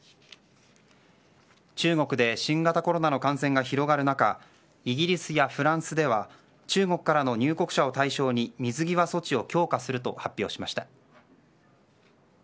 中国で新型コロナ感染が広がる中イギリスやフランスは中国からの入国者を対象に水際措置を強化すると発表しました。